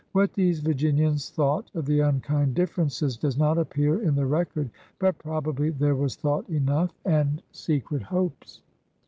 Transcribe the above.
What these Vir ginians thought of the "unkind differences" does not appear in the record, but probably there was thought enough and secret hopes.